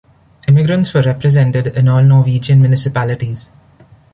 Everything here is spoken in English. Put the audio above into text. Immigrants were represented in all Norwegian municipalities.